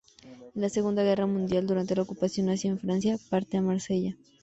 En la Segunda Guerra Mundial, durante la ocupación nazi en Francia parte a Marsella.